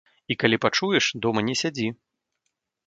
І калі пачуеш, дома не сядзі.